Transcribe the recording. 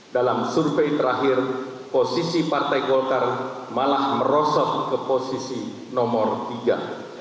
dalam survei terakhir posisi partai golkar malah merosot ke posisi nomor tiga